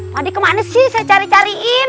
pak ade ke mana sih saya cari cariin